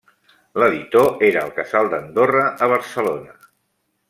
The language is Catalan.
L'editor era el Casal d'Andorra a Barcelona.